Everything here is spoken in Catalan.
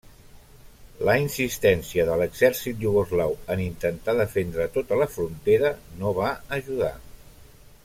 La insistència de l'exèrcit iugoslau en intentar defendre tota la frontera no va ajudar.